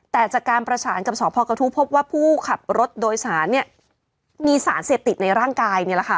แต่จากการประฉลกับสพกทู้พบว่าผู้ขับรถแดดโดยสารมีสารเสพติดในร่างกาย